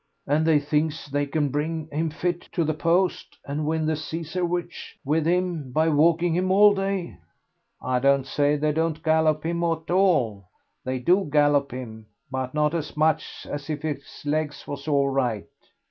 "And they thinks they can bring him fit to the post and win the Cesarewitch with him by walking him all day?" "I don't say they don't gallop him at all; they do gallop him, but not as much as if his legs was all right."